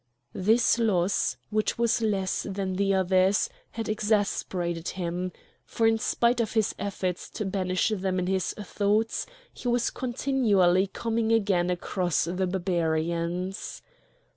This loss, which was less than the others, had exasperated him; for in spite of his efforts to banish them from his thoughts he was continually coming again across the Barbarians.